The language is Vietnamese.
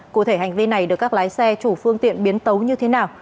cụ thể hành vi này được các lái xe chủ phương tiện biến tấu như thế nào